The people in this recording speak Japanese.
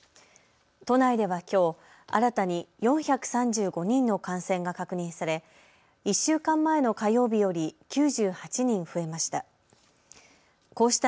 都内ではきょう新たに４３５人の感染が確認され１週間前の火曜日より９８人増えました。